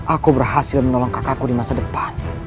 aku berhasil menolong kakakku di masa depan